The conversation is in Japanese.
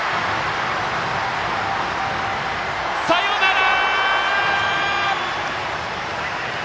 サヨナラ！